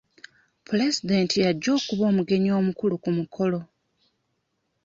Pulezidenti y'ajja okuba omugenyi omukulu ku mukolo.